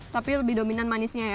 tapi lebih dominan manisnya ya